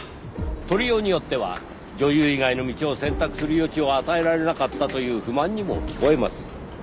取りようによっては女優以外の道を選択する余地を与えられなかったという不満にも聞こえます。